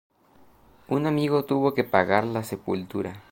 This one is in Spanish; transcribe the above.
Un amigo tuvo que pagar la sepultura.